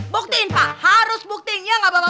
buktiin pak harus buktiin ya enggak bapak